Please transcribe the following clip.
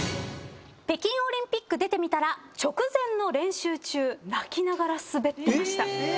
北京オリンピック出てみたら直前の練習中泣きながら滑ってました。